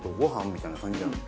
みたいな感じじゃない。